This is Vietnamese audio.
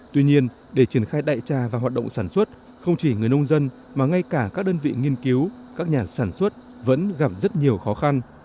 tuy nhiên để triển khai đại trà và hoạt động sản xuất không chỉ người nông dân mà ngay cả các đơn vị nghiên cứu các nhà sản xuất vẫn gặp rất nhiều khó khăn